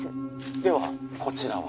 ではこちらは？